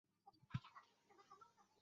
此时县治由罗家坪迁至洣水北岸。